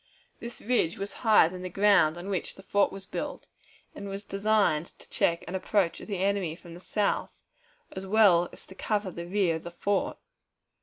This ridge was higher than the ground on which the fort was built, and was designed to check an approach of the enemy from the south, as well as to cover the rear of the fort.